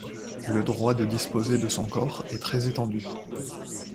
Le droit de disposer de son corps est très étendu.